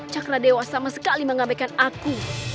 cakra dewa sama sekali mengabaikan aku